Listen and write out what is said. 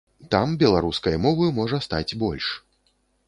Там беларускай мовы можа стаць больш.